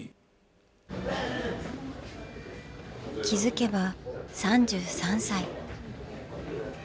気付けば３３歳。